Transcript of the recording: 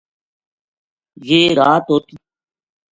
یہ رات اُ